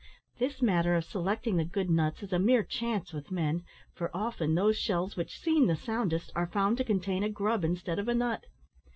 This matter of selecting the good nuts is a mere chance with men, for often those shells which seem the soundest, are found to contain a grub instead of a nut.